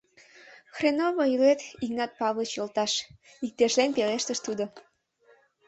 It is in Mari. — Хреново илет, Игнат Павлыч йолташ! — иктешлен пелештыш Тудо.